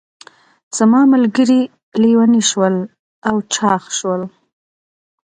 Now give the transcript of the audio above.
زما ملګري لیوني شول او چاغ شول.